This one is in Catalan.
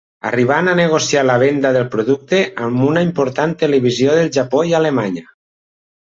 Arribant a negociar la venda del producte amb una important televisió del Japó i Alemanya.